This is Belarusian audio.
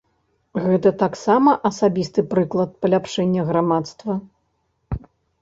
Гэта таксама асабісты прыклад паляпшэння грамадства?